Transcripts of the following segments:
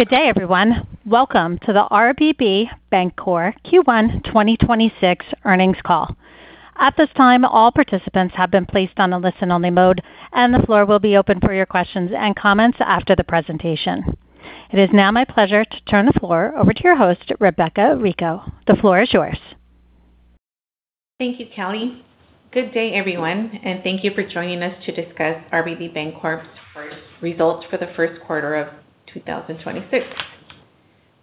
Good day everyone. Welcome to the RBB Bancorp Q1 2026 earnings call. At this time, all participants have been placed on a listen-only mode, and the floor will be open for your questions and comments after the presentation. It is now my pleasure to turn the floor over to your host, Rebeca Rico. The floor is yours. Thank you, Kelly. Good day everyone, and thank you for joining us to discuss RBB Bancorp's results for the first quarter of 2026.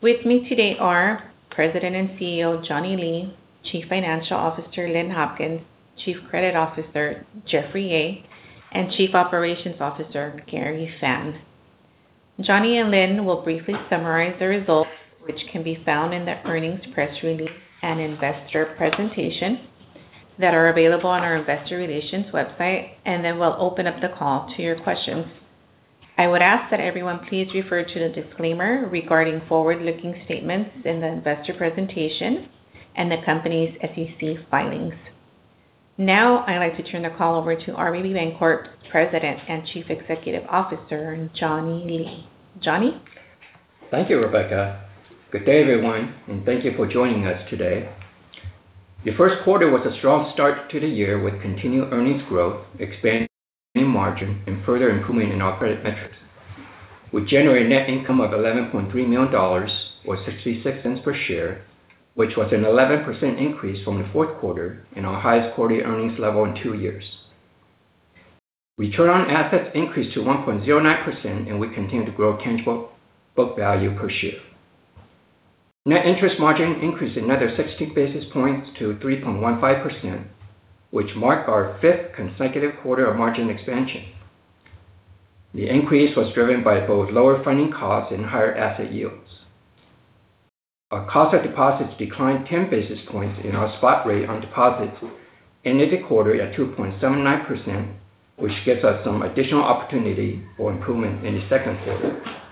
With me today are President and CEO, Johnny Lee, Chief Financial Officer, Lynn Hopkins, Chief Credit Officer, Jeffrey Yeh, and Chief Operations Officer, Gary Fan. Johnny and Lynn will briefly summarize the results, which can be found in the earnings press release and Investor Presentation that are available on our Investor Relations website, and then we'll open up the call to your questions. I would ask that everyone please refer to the disclaimer regarding forward-looking statements in the Investor Presentation and the company's SEC filings. Now, I'd like to turn the call over to RBB Bancorp President and Chief Executive Officer, Johnny Lee. Johnny? Thank you, Rebeca. Good day everyone, and thank you for joining us today. The first quarter was a strong start to the year with continued earnings growth, expansion in margin, and further improvement in our credit metrics. We generated net income of $11.3 million, or $0.66 per share, which was an 11% increase from the fourth quarter and our highest quarterly earnings level in two years. Return on assets increased to 1.09%, and we continue to grow Tangible Book Value per share. Net Interest Margin increased another 60 basis points to 3.15%, which marked our fifth consecutive quarter of margin expansion. The increase was driven by both lower funding costs and higher asset yields. Our cost of deposits declined 10 basis points, and our flat rate on deposits ended the quarter at 2.79%, which gives us some additional opportunity for improvement in the second quarter.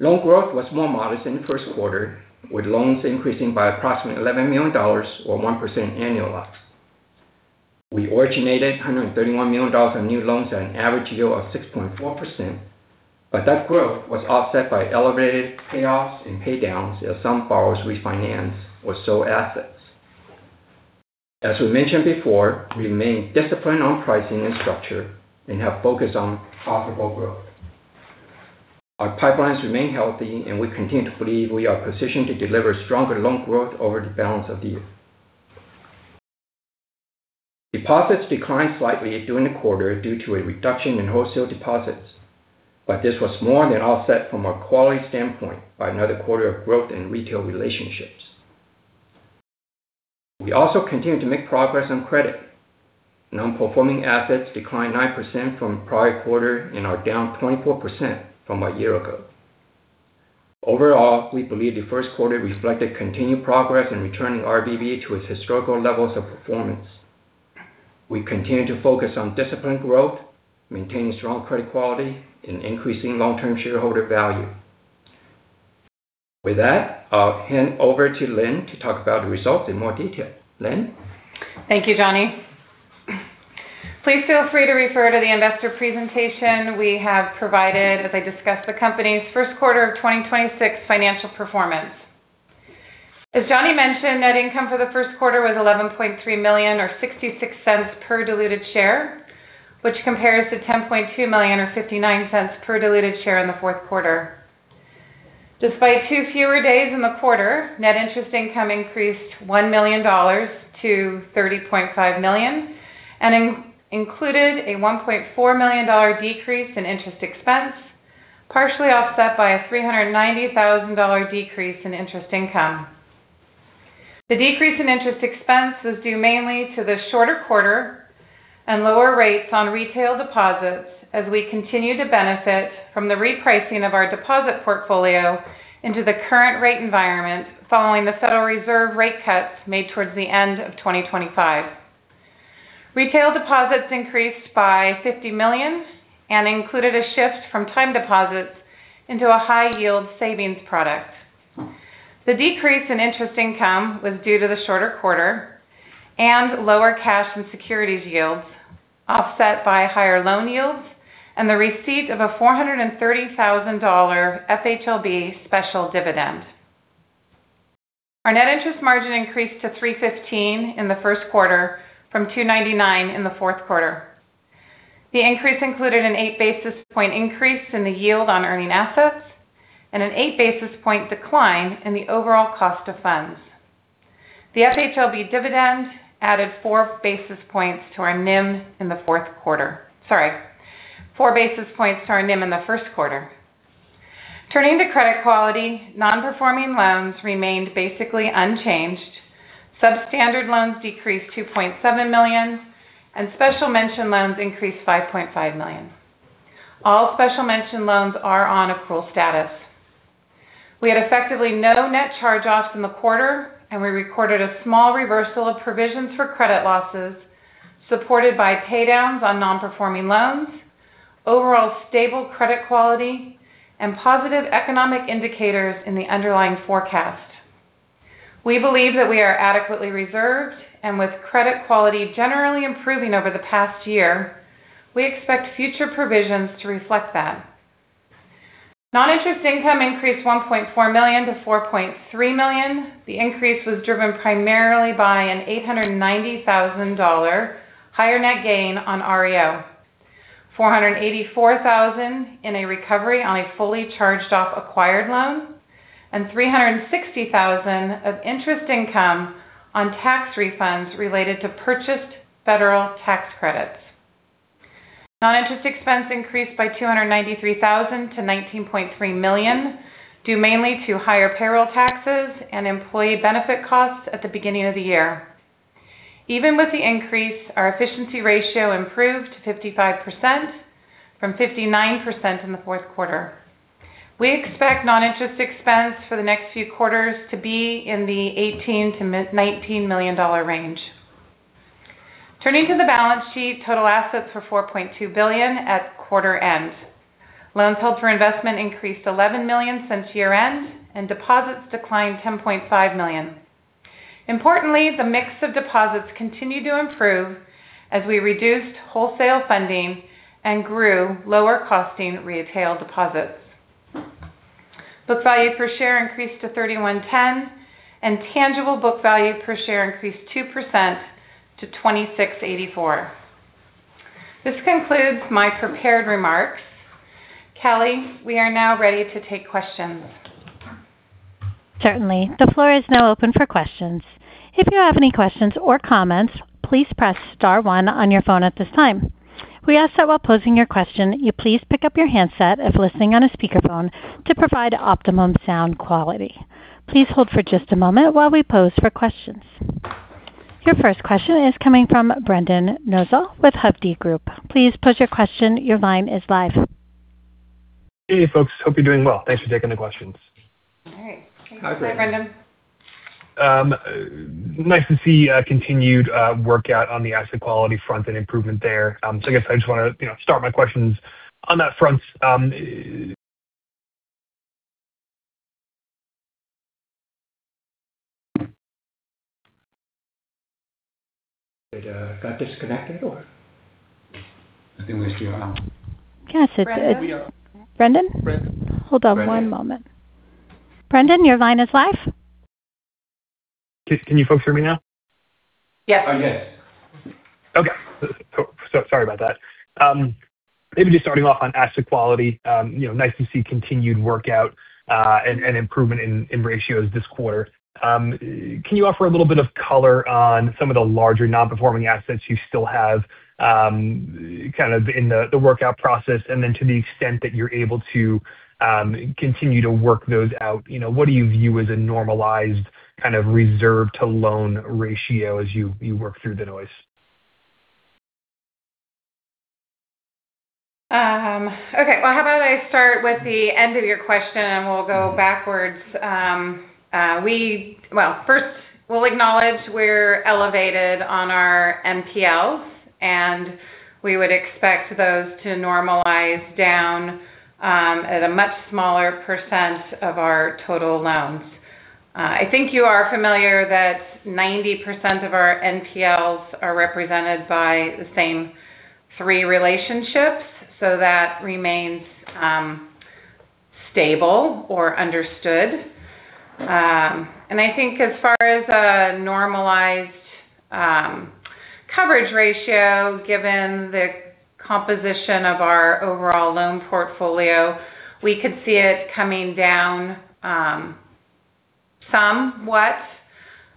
Loan growth was more modest in the first quarter, with loans increasing by approximately $11 million or 1% annualized. We originated $131 million of new loans at an average yield of 6.4%, but that growth was offset by elevated payoffs and pay downs as some borrowers refinanced or sold assets. As we mentioned before, we remain disciplined on pricing and structure and have focused on profitable growth. Our pipelines remain healthy and we continue to believe we are positioned to deliver stronger loan growth over the balance of the year. Deposits declined slightly during the quarter due to a reduction in wholesale deposits, but this was more than offset from a quality standpoint by another quarter of growth in retail relationships. We also continue to make progress on credit. Non-performing assets declined 9% from the prior quarter and are down 24% from a year ago. Overall, we believe the first quarter reflected continued progress in returning RBB to its historical levels of performance. We continue to focus on disciplined growth, maintaining strong credit quality, and increasing long-term shareholder value. With that, I'll hand over to Lynn to talk about the results in more detail. Lynn? Thank you, Johnny. Please feel free to refer to the Investor Presentation we have provided as I discuss the company's first quarter of 2026 financial performance. As Johnny mentioned, net income for the first quarter was $11.3 million or $0.66 per diluted share, which compares to $10.2 million or $0.59 per diluted share in the fourth quarter. Despite two fewer days in the quarter, Net Interest Income increased $1 million to $30.5 million, and included a $1.4 million decrease in interest expense, partially offset by a $390,000 decrease in interest income. The decrease in interest expense was due mainly to the shorter quarter and lower rates on retail deposits as we continue to benefit from the repricing of our deposit portfolio into the current rate environment following the Federal Reserve rate cuts made towards the end of 2025. Retail deposits increased by $50 million and included a shift from time deposits into a high yield savings product. The decrease in interest income was due to the shorter quarter and lower cash and securities yields, offset by higher loan yields and the receipt of a $430,000 FHLB special dividend. Our Net Interest Margin increased to 315 in the first quarter from 299 in the fourth quarter. The increase included an eight basis point increase in the yield on earning assets and an eight basis point decline in the overall cost of funds. The FHLB dividend added four basis points to our NIM in the fourth quarter. Sorry, four basis points to our NIM in the first quarter. Turning to credit quality, non-performing loans remained basically unchanged. Substandard loans decreased to $2.7 million, and special mention loans increased $5.5 million. All special mention loans are on approval status. We had effectively no net charge-offs in the quarter, and we recorded a small reversal of provisions for credit losses supported by pay downs on non-performing loans, overall stable credit quality, and positive economic indicators in the underlying forecast. We believe that we are adequately reserved, and with credit quality generally improving over the past year, we expect future provisions to reflect that. Non-interest income increased $1.4 million to $4.3 million. The increase was driven primarily by an $890,000 higher net gain on OREO, $484,000 in a recovery on a fully charged off acquired loan, and $360,000 of interest income on tax refunds related to purchased federal tax credits. Non-interest expense increased by $293,000 to $19.3 million, due mainly to higher payroll taxes and employee benefit costs at the beginning of the year. Even with the increase, our efficiency ratio improved to 55% from 59% in the fourth quarter. We expect non-interest expense for the next few quarters to be in the $18 to mid-$19 million range. Turning to the balance sheet, total assets were $4.2 billion at quarter end. Loans held for investment increased $11 million since year-end, and deposits declined $10.5 million. Importantly, the mix of deposits continued to improve as we reduced wholesale funding and grew lower costing retail deposits. Book value per share increased to $31.10, and Tangible Book Value per share increased 2% to $26.84. This concludes my prepared remarks. Kelly, we are now ready to take questions. Certainly. The floor is now open for questions. If you have any questions or comments, please press star one on your phone at this time. We ask that while posing your question, you please pick up your handset if listening on a speakerphone to provide optimum sound quality. Please hold for just a moment while we poll for questions. Your first question is coming from Brendan Nosal with Hovde Group. Please pose your question. Your line is live. Hey folks, hope you're doing well. Thanks for taking the questions. All right. Hi, Brendan. Nice to see continued work out on the asset quality front and improvement there. I guess I just want to start my questions on that front. It got disconnected, or? I think we're still on. Yes, it did. Brendan? Brendan? Hold on one moment. Brendan, your line is live. Can you folks hear me now? Yes. Yes. Okay. Sorry about that. Maybe just starting off on asset quality. Nice to see continued workout, and improvement in ratios this quarter. Can you offer a little bit of color on some of the larger non-performing assets you still have in the workout process? To the extent that you're able to continue to work those out, what do you view as a normalized reserve-to-loan ratio as you work through the noise? Okay. Well, how about I start with the end of your question, and we'll go backwards. First we'll acknowledge we're elevated on our NPLs, and we would expect those to normalize down at a much smaller percent of our total loans. I think you are familiar that 90% of our NPLs are represented by the same three relationships, so that remains stable or understood. I think as far as a normalized coverage ratio, given the composition of our overall loan portfolio, we could see it coming down somewhat,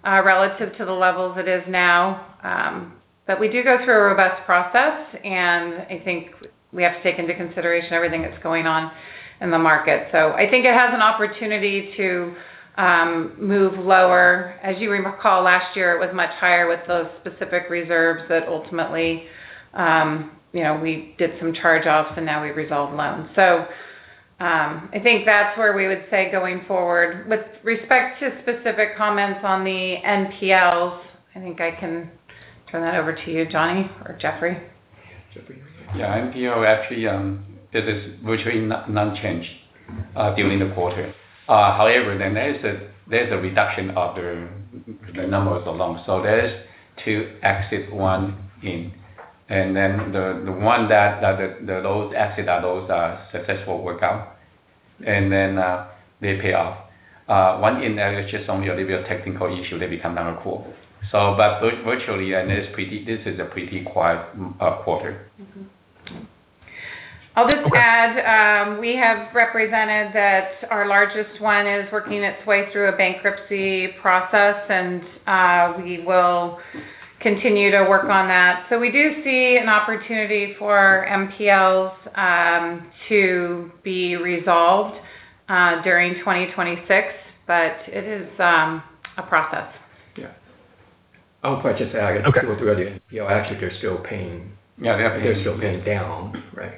relative to the levels it is now. We do go through a robust process, and I think we have to take into consideration everything that's going on in the market. I think it has an opportunity to move lower. As you recall, last year it was much higher with those specific reserves that ultimately, we did some charge-offs and now we resolve loans. I think that's where we would say going forward. With respect to specific comments on the NPLs, I think I can turn that over to you, Johnny or Jeffrey. Yeah. NPL, actually, it is virtually none changed during the quarter. However, then there is a reduction of the numbers of loans. There is two exit, one in. The one that those exit are those successful workout. They pay off. One in there is just only a little bit of technical issue. They become non-accrual. Virtually, this is a pretty quiet quarter. I'll just add, we have represented that our largest one is working its way through a bankruptcy process, and we will continue to work on that. We do see an opportunity for NPLs to be resolved during 2026. It is a process. Yeah. I would probably just add, to go through the NPL, actually they're still paying down, right.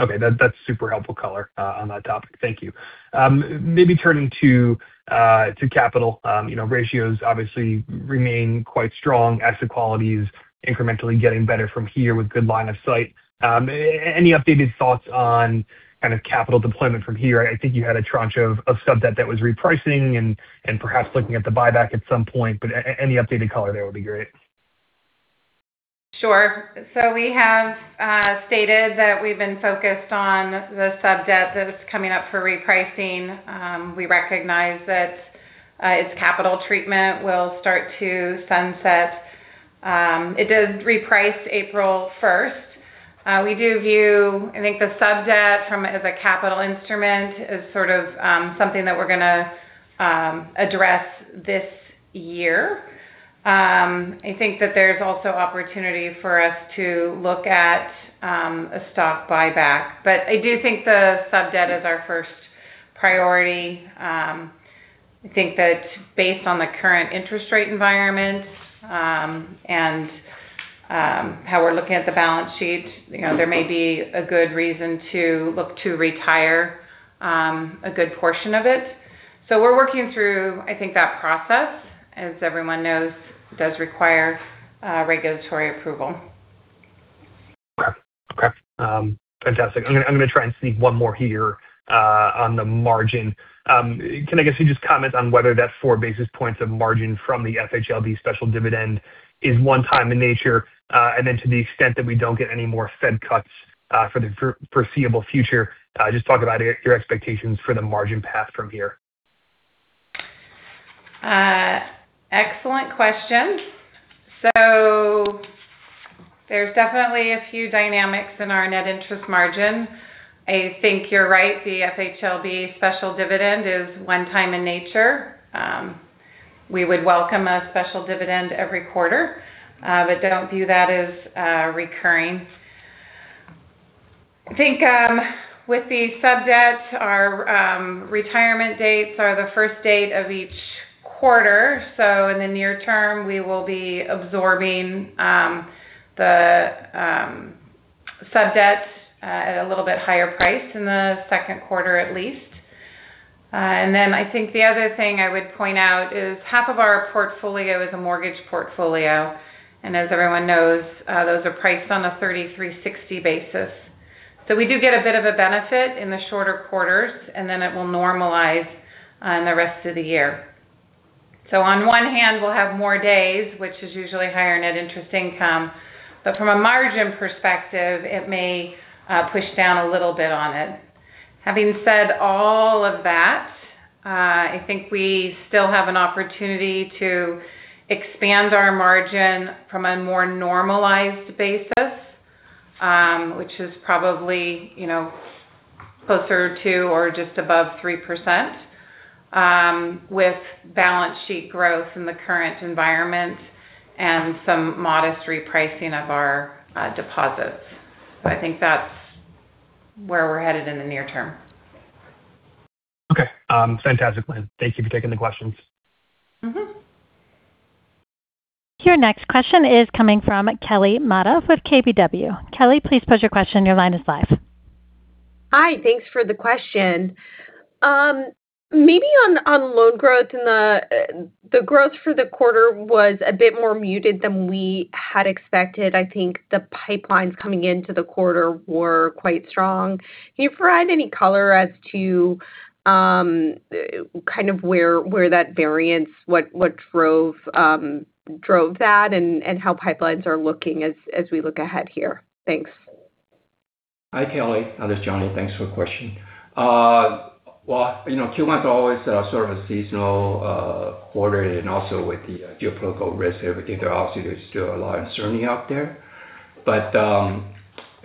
Okay. That's super helpful color on that topic. Thank you. Maybe turning to capital ratios obviously remain quite strong. Asset quality is incrementally getting better from here with good line of sight. Any updated thoughts on capital deployment from here? I think you had a tranche of sub-debt that was repricing and perhaps looking at the buyback at some point, but any updated color there would be great. Sure. We have stated that we've been focused on the sub-debt that is coming up for repricing. We recognize that its capital treatment will start to sunset. It does reprice April 1st. We do view, I think, the sub-debt as a capital instrument as sort of something that we're going to address this year. I think that there's also opportunity for us to look at a stock buyback. But I do think the sub-debt is our first priority. I think that based on the current interest rate environment, and how we're looking at the balance sheet, there may be a good reason to look to retire a good portion of it. We're working through, I think, that process, as everyone knows, does require regulatory approval. Okay. Fantastic. I'm going to try and sneak one more here on the margin. Can I get you just comment on whether that four basis points of margin from the FHLB special dividend is one time in nature? To the extent that we don't get any more Fed cuts for the foreseeable future, just talk about your expectations for the margin path from here. Excellent question. There's definitely a few dynamics in our Net Interest Margin. I think you're right, the FHLB special dividend is one time in nature. We would welcome a special dividend every quarter, but don't view that as recurring. I think with the sub-debt, our retirement dates are the first date of each quarter. In the near term, we will be absorbing the sub-debt at a little bit higher price in the second quarter at least. I think the other thing I would point out is half of our portfolio is a mortgage portfolio, and as everyone knows, those are priced on a 30/360 basis. We do get a bit of a benefit in the shorter quarters, and then it will normalize on the rest of the year. On one hand, we'll have more days, which is usually higher Net Interest Income. From a margin perspective, it may push down a little bit on it. Having said all of that, I think we still have an opportunity to expand our margin from a more normalized basis, which is probably closer to or just above 3%, with balance sheet growth in the current environment and some modest repricing of our deposits. I think that's where we're headed in the near term. Okay. Fantastic, Lynn. Thank you for taking the questions. Mm-hmm. Your next question is coming from Kelly Motta with KBW. Kelly, please pose your question. Your line is live. Hi. Thanks for the question. Maybe on loan growth the growth for the quarter was a bit more muted than we had expected. I think the pipelines coming into the quarter were quite strong. Can you provide any color as to where that variance, what drove that, and how pipelines are looking as we look ahead here? Thanks. Hi, Kelly. This is Johnny. Thanks for the question. Well, Q1 is always sort of a seasonal quarter, and also with the geopolitical risk and everything, there obviously is still a lot of uncertainty out there.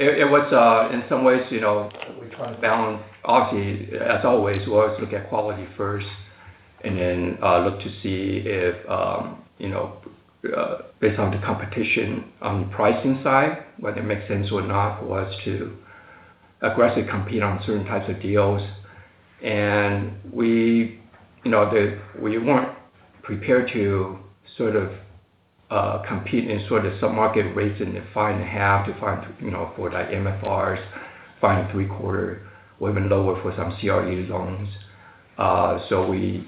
It was in some ways we try to balance, obviously, as always, we always look at quality first, and then look to see if based on the competition on the pricing side, whether it makes sense or not for us to aggressively compete on certain types of deals. We weren't prepared to compete in some market rates and 5.5%-5% for multifamily, 5.75% or even lower for some CRE loans. We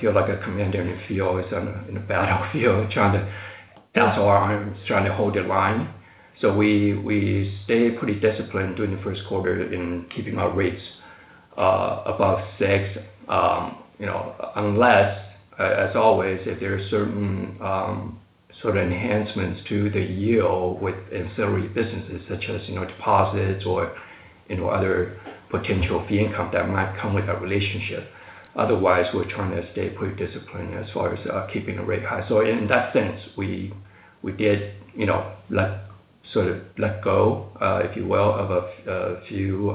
feel like a commander in a battlefield trying to have arms, trying to hold the line. We stayed pretty disciplined during the first quarter in keeping our rates above 6%. Unless, as always, if there are certain enhancements to the yield within several businesses, such as deposits or other potential fee income that might come with that relationship. Otherwise, we're trying to stay pretty disciplined as far as keeping the rate high. In that sense, we did let go, if you will, of a few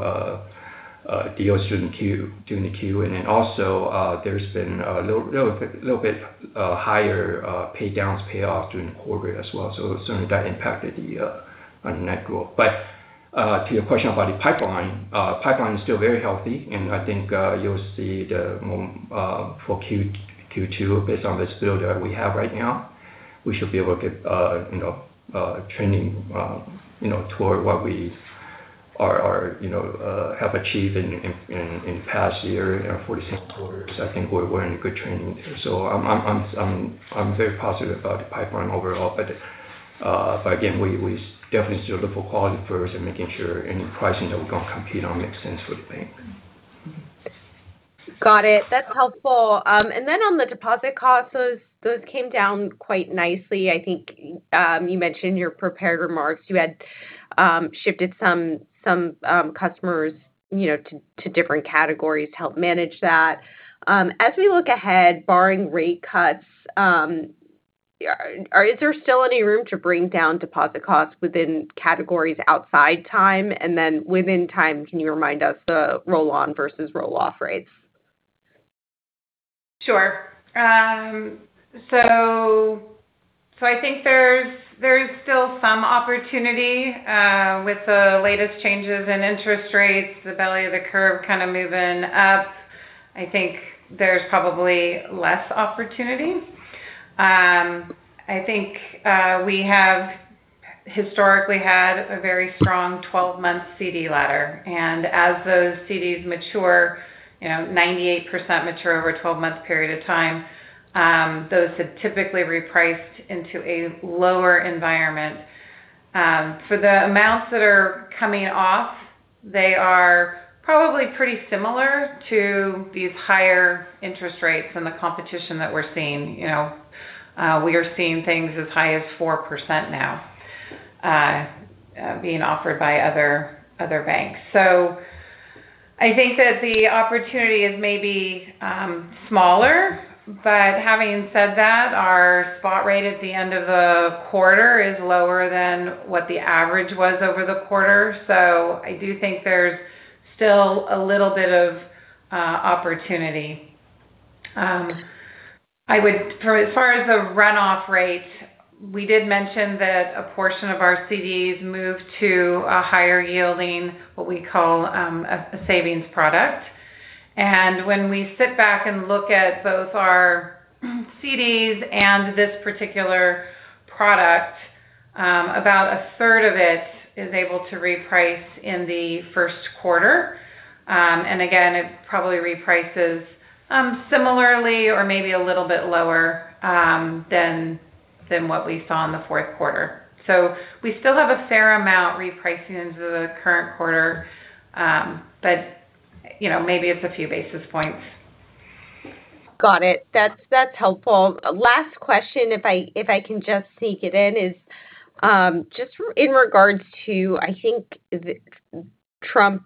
deals during the quarter. Then also there's been a little bit higher paydowns, payoffs during the quarter as well. Certainly that impacted the net growth. To your question about the pipeline is still very healthy, and I think you'll see that for Q2, based on this build that we have right now, we should be able to get trending toward what we have achieved in the past year, fourth quarters, I think we're in good shape. I'm very positive about the pipeline overall. Again, we definitely still look for quality first and making sure any pricing that we're going to compete on makes sense for the bank. Got it. That's helpful. On the deposit costs, those came down quite nicely. I think you mentioned your prepared remarks. You had shifted some customers to different categories to help manage that. As we look ahead, barring rate cuts, is there still any room to bring down deposit costs within categories outside time? Within time, can you remind us the roll-on versus roll-off rates? Sure. I think there is still some opportunity with the latest changes in interest rates, the belly of the curve kind of moving up. I think there's probably less opportunity. I think we have historically had a very strong 12-month CD ladder. As those CDs mature, 98% mature over a 12-month period of time. Those have typically repriced into a lower environment. For the amounts that are coming off, they are probably pretty similar to these higher interest rates and the competition that we're seeing. We are seeing things as high as 4% now being offered by other banks. I think that the opportunity is maybe smaller, but having said that, our spot rate at the end of the quarter is lower than what the average was over the quarter. I do think there's still a little bit of opportunity. As far as the runoff rate, we did mention that a portion of our CDs moved to a higher-yielding, what we call a savings product. When we sit back and look at both our CDs and this particular product, about a third of it is able to reprice in the first quarter. Again, it probably reprices similarly or maybe a little bit lower than what we saw in the fourth quarter. We still have a fair amount repricing into the current quarter, but maybe it's a few basis points. Got it. That's helpful. Last question, if I can just sneak it in, is just in regards to, I think Trump,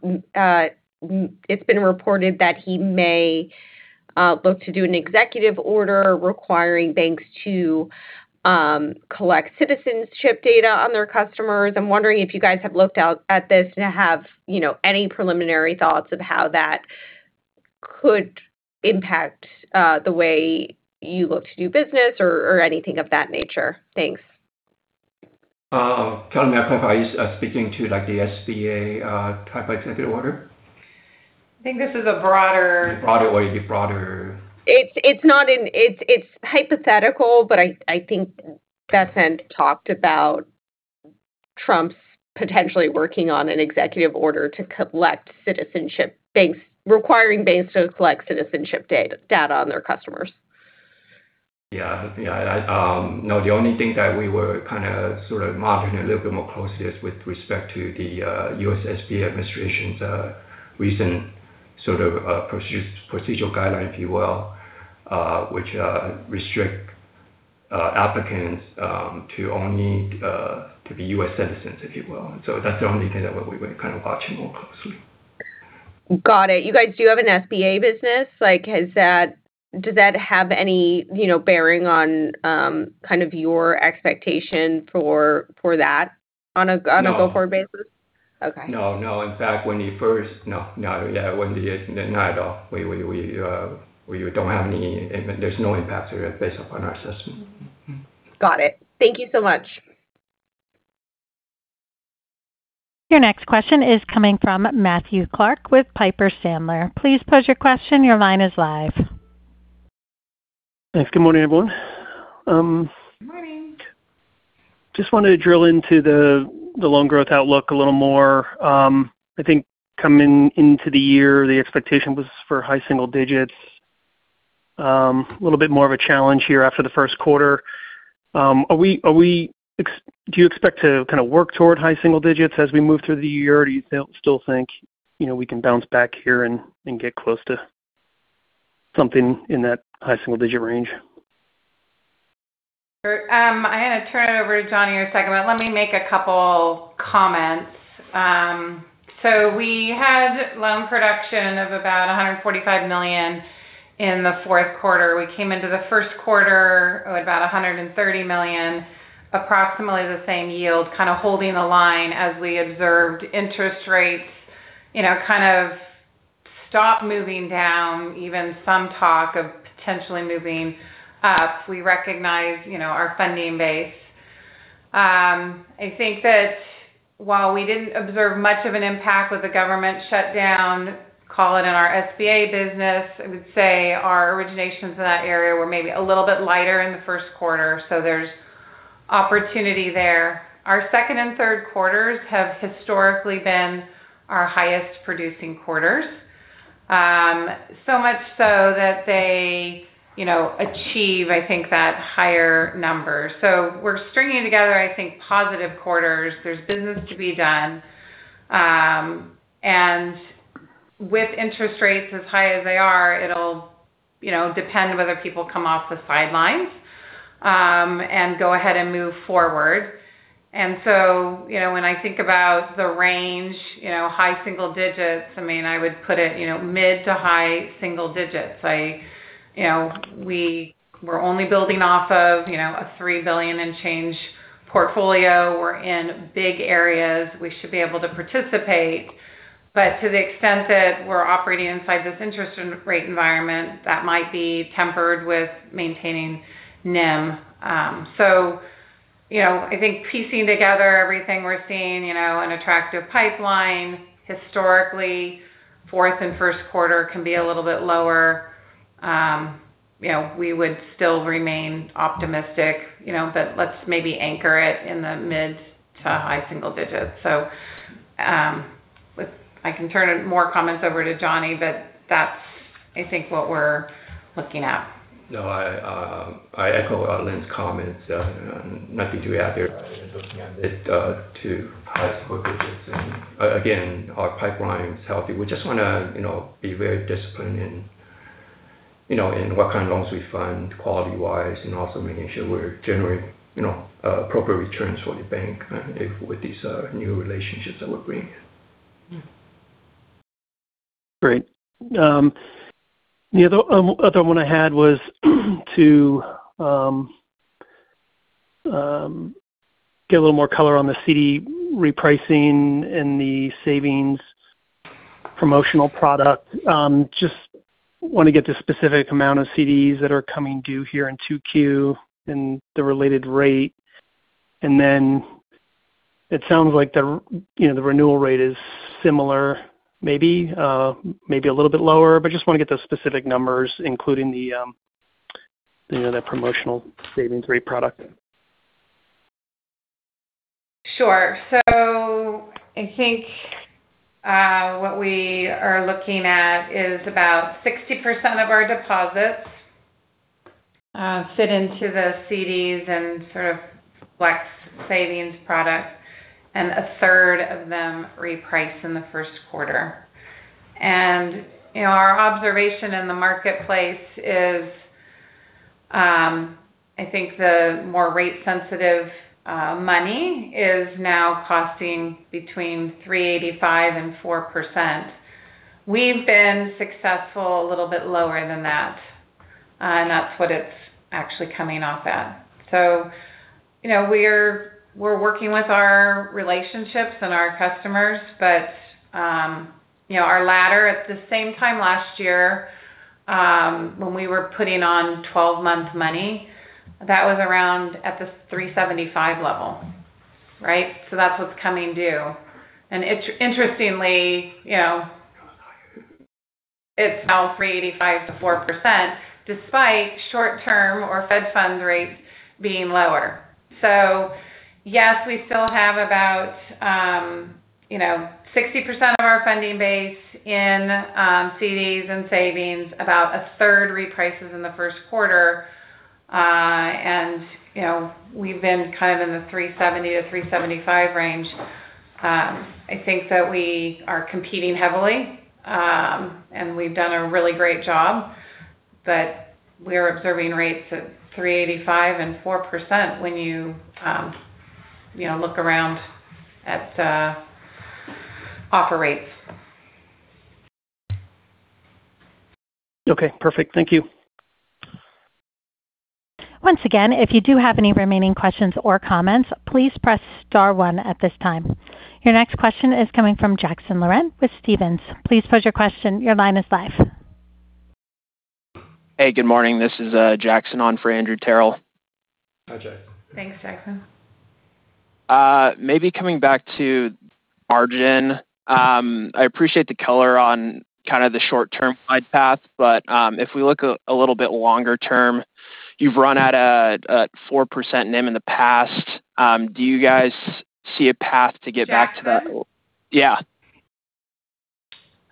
it's been reported that he may look to do an executive order requiring banks to collect citizenship data on their customers. I'm wondering if you guys have looked at this and have any preliminary thoughts of how that could impact the way you look to do business or anything of that nature. Thanks. Kelly, I'm not quite speaking to the SBA type Executive Order? I think this is a broader. broader It's hypothetical, but I think Scott Bessent talked about Trump's potentially working on an executive order to collect citizenship, requiring banks to collect citizenship data on their customers. Yeah. No, the only thing that we were kind of sort of monitoring a little bit more closely is with respect to the U.S. SBA Administration's recent sort of procedural guideline, if you will, which restrict applicants to only to be U.S. citizens, if you will. That's the only thing that we're kind of watching more closely. Got it. You guys do have an SBA business. Does that have any bearing on kind of your expectation for that on a- No. Go-forward basis? Okay. No. In fact, No. Not at all. There's no impact based upon our system. Got it. Thank you so much. Your next question is coming from Matthew Clark with Piper Sandler. Please pose your question. Your line is live. Thanks. Good morning, everyone. Good morning. Just wanted to drill into the loan growth outlook a little more. I think coming into the year, the expectation was for high single digits. A little bit more of a challenge here after the first quarter. Do you expect to kind of work toward high single digits as we move through the year? Or do you still think we can bounce back here and get close to something in that high single-digit range? Sure. I'm going to turn it over to Johnny in a second, but let me make a couple comments. We had loan production of about $145 million in the fourth quarter. We came into the first quarter with about $130 million, approximately the same yield, kind of holding the line as we observed interest rates kind of stop moving down, even some talk of potentially moving up. We recognize our funding base. I think that while we didn't observe much of an impact with the government shutdown, call it in our SBA business, I would say our originations in that area were maybe a little bit lighter in the first quarter. There's opportunity there. Our second and third quarters have historically been our highest producing quarters. So much so that they achieve, I think, that higher number. We're stringing together, I think, positive quarters. There's business to be done. With interest rates as high as they are, it'll depend on whether people come off the sidelines and go ahead and move forward. When I think about the range, high single digits, I would put it mid to high single digits. We were only building off of a $3 billion and change portfolio. We're in big areas. We should be able to participate. To the extent that we're operating inside this interest rate environment, that might be tempered with maintaining NIM. I think piecing together everything we're seeing, an attractive pipeline historically, fourth and first quarter can be a little bit lower. We would still remain optimistic, but let's maybe anchor it in the mid to high single digits. I can turn more comments over to Johnny, but that's, I think, what we're looking at. No, I echo Lynn's comments. Nothing to add there other than looking at it to high single digits. Our pipeline is healthy. We just want to be very disciplined in what kind of loans we fund quality-wise, and also making sure we're generating appropriate returns for the bank with these new relationships that we're bringing in. Yeah. Great. The other one I had was to get a little more color on the CD repricing and the savings promotional product. Just want to get the specific amount of CDs that are coming due here in 2Q and the related rate. It sounds like the renewal rate is similar, maybe a little bit lower, but just want to get the specific numbers, including the promotional savings rate product. Sure. I think what we are looking at is about 60% of our deposits fit into the CDs and Flex Savings products, and 1/3 of them reprice in the first quarter. Our observation in the marketplace is, I think the more rate sensitive money is now costing between 3.85%-4%. We've been successful a little bit lower than that, and that's what it's actually coming off at. We're working with our relationships and our customers, but our ladder at the same time last year, when we were putting on 12-month money, that was around at the 3.75 level. Right? That's what's coming due. Interestingly, it's now 3.85%-4% despite short-term or Fed funds rates being lower. Yes, we still have about 60% of our funding base in CDs and savings. About a third reprices in the first quarter. We've been kind of in the 3.70%-3.75% range. I think that we are competing heavily, and we've done a really great job, but we're observing rates at 3.85% and 4% when you look around at offer rates. Okay, perfect. Thank you. Once again, if you do have any remaining questions or comments, please press star one at this time. Your next question is coming from Jackson Laurent with Stephens. Please pose your question. Your line is live. Hey, good morning. This is Jackson on for Andrew Terrell. Hi, Jackson. Thanks, Jackson. Maybe coming back to margin. I appreciate the color on kind of the short-term glide path, but if we look a little bit longer term, you've run at a 4% NIM in the past. Do you guys see a path to get back to that? Jackson? Yeah.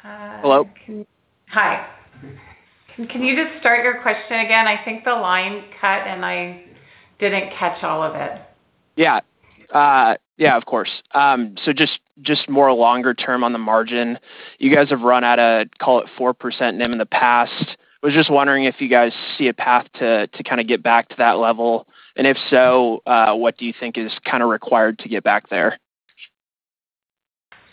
Hello? Hi. Can you just start your question again? I think the line cut, and I didn't catch all of it. Yeah. Of course. Just more longer term on the margin, you guys have run at a, call it 4% NIM in the past. I was just wondering if you guys see a path to get back to that level. If so, what do you think is required to get back there?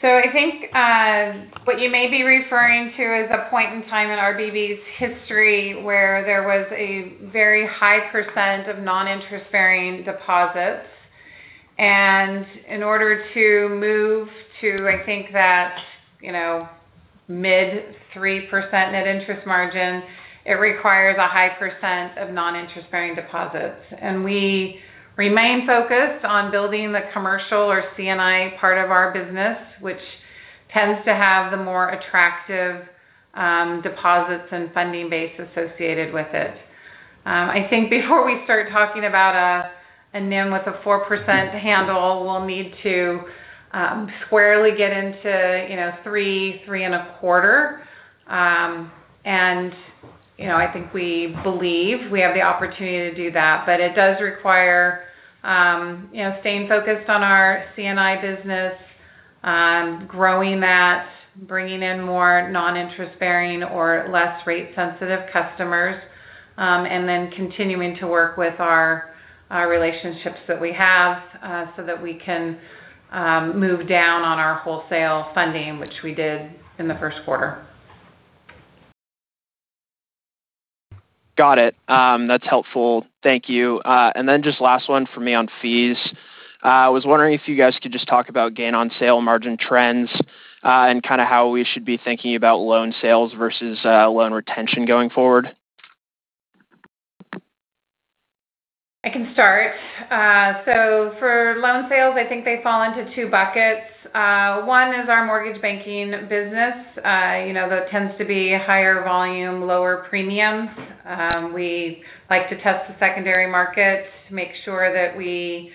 I think what you may be referring to is a point in time in RBB's history where there was a very high % of non-interest-bearing deposits. In order to move to, I think that mid 3% Net Interest Margin, it requires a high % of non-interest-bearing deposits. We remain focused on building the commercial or C&I part of our business, which tends to have the more attractive deposits and funding base associated with it. I think before we start talking about a NIM with a 4% handle, we'll need to squarely get into 3%-3.25%, and I think we believe we have the opportunity to do that. It does require staying focused on our C&I business, growing that, bringing in more non-interest-bearing or less rate-sensitive customers, and then continuing to work with our relationships that we have so that we can move down on our wholesale funding, which we did in the first quarter. Got it. That's helpful. Thank you. Just last one for me on fees. I was wondering if you guys could just talk about gain on sale margin trends and how we should be thinking about loan sales versus loan retention going forward. I can start. For loan sales, I think they fall into two buckets. One is our mortgage banking business. That tends to be higher volume, lower premiums. We like to test the secondary markets to make sure that we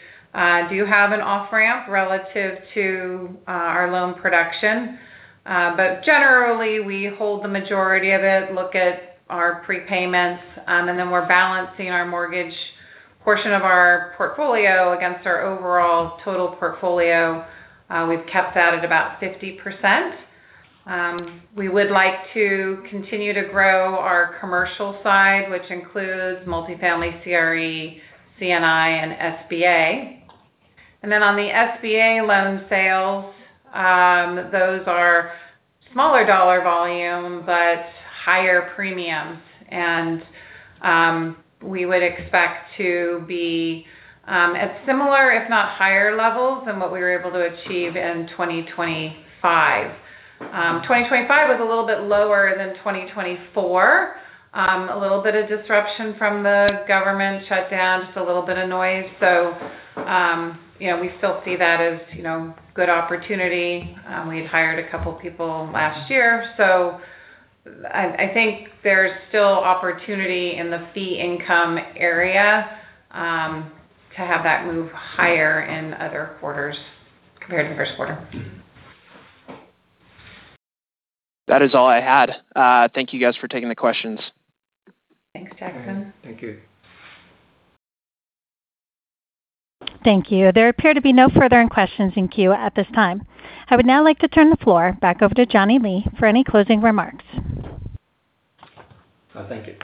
do have an off-ramp relative to our loan production. Generally, we hold the majority of it, look at our prepayments, and then we're balancing our mortgage portion of our portfolio against our overall total portfolio. We've kept that at about 50%. We would like to continue to grow our commercial side, which includes multifamily CRE, C&I, and SBA. Then on the SBA loan sales, those are smaller dollar volume but higher premiums. We would expect to be at similar, if not higher, levels than what we were able to achieve in 2025. 2025 was a little bit lower than 2024. A little bit of disruption from the government shutdown, just a little bit of noise. We still see that as good opportunity. We had hired a couple people last year, so I think there's still opportunity in the fee income area to have that move higher in other quarters compared to the first quarter. That is all I had. Thank you guys for taking the questions. Thanks, Jackson. Thank you. Thank you. There appear to be no further questions in queue at this time. I would now like to turn the floor back over to Johnny Lee for any closing remarks. Thank you.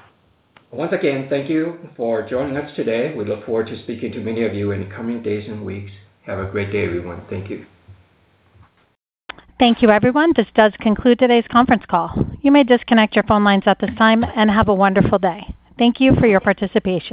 Once again, thank you for joining us today. We look forward to speaking to many of you in the coming days and weeks. Have a great day, everyone. Thank you. Thank you, everyone. This does conclude today's conference call. You may disconnect your phone lines at this time, and have a wonderful day. Thank you for your participation.